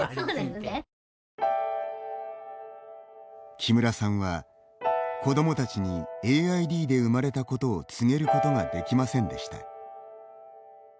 木村さんは、子どもたちにＡＩＤで生まれたことを告げることができませんでした。